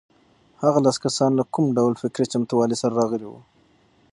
هغه لس کسان له کوم ډول فکري چمتووالي سره راغلي وو؟